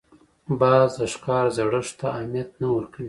باز د ښکار زړښت ته اهمیت نه ورکوي